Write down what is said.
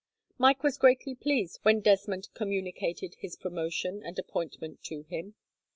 Mike was greatly pleased when Desmond communicated his promotion and appointment to him.